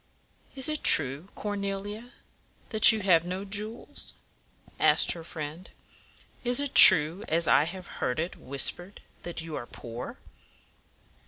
"Is it true, Cor ne li a, that you have no jewels?" asked her friend. "Is it true, as I have heard it whis pered, that you are poor?"